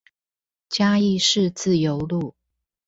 嘉義市自由路